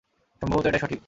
সম্ভবত এটাই সঠিক।